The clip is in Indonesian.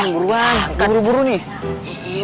buruan buru buru nih